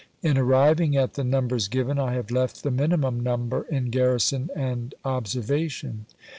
In arriving at the numbers given, I have left the minimum number in garrison and observation.